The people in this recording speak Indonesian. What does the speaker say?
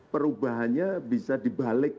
perubahannya bisa dibalik